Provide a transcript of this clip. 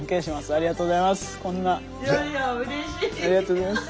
ありがとうございます。